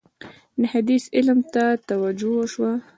د حدیث علم ته توجه وشوه.